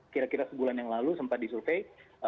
kira kira sebulan yang lalu sempat disurvey